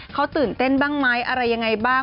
เขาตื่นเต้นบ้างไหมอะไรยังไงบ้าง